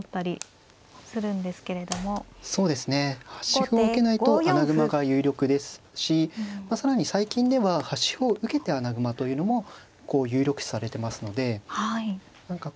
端歩を受けないと穴熊が有力ですし更に最近では端歩を受けて穴熊というのも有力視されてますので何か